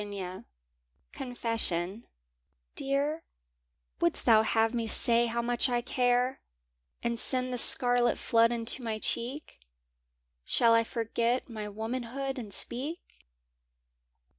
Confession EAR, wouldst thou have me say how much I care, And send the scarlet flood into my cheek? Shall I forget my womanhood and speak?